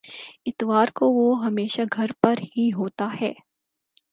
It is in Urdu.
اتوار کو وہ ہمیشہ گھر پر ہی ہوتا ہے۔